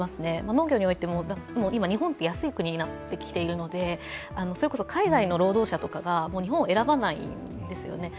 農業においても、今日本って安い国になってきているので、それこそ海外の労働者が日本を選ばないんですよね。